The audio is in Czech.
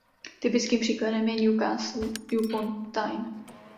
Typickým příkladem je Newcastle upon Tyne.